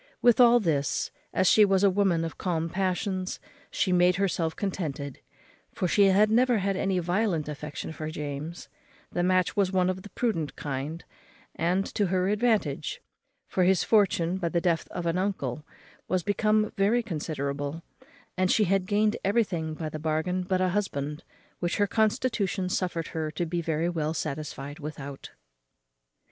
With all this, as she was a woman of calm passions, she made herself contented; for she had never had any violent affection for James: the match was of the prudent kind, and to her advantage; for his fortune, by the death of an uncle, was become very considerable; and she had gained everything by the bargain but a husband, which her constitution suffered her to be very well satisfied without.